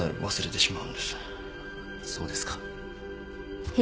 そうですか。